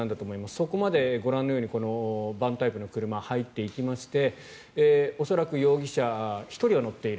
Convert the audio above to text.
そこまでご覧のようにバンタイプの車が入っていきまして恐らく容疑者１人は乗っている。